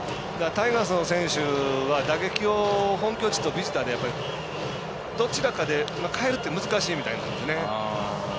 タイガースの選手は打撃を本拠地とビジターでどちらかで変えるって難しいみたいなんですね。